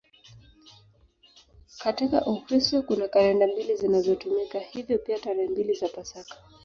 Katika Ukristo kuna kalenda mbili zinazotumika, hivyo pia tarehe mbili za Pasaka.